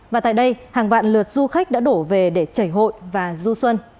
và tại đây hàng vạn lượt du khách đã đổ về để chảy hội và du xuân